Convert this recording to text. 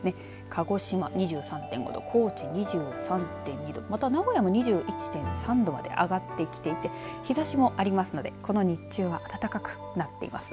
鹿児島２３．５度高知２３．２度また名古屋も２１．３度まで上がってきていて日ざしもありますのでこの日中は暖かくなっています。